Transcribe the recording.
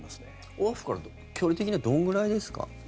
オアフから距離的にはどんぐらいですか？